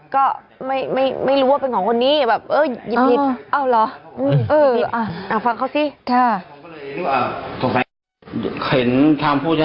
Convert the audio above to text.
ก็ไม่รู้ว่าเป็นของคนนี้แบบแอองิจพิษ